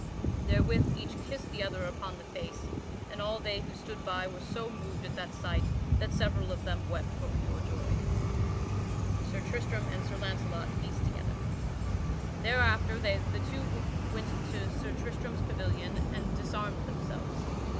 Therewith each kissed the other upon the face, and all they who stood by were so moved at that sight that several of them wept for pure joy. [Sidenote: Sir Tristram and Sir Launcelot feast together] Thereafter they two went into Sir Tristram's pavilion and disarmed themselves.